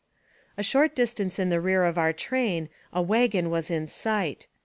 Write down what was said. A short distance in the rear of our train a wagon was in sight.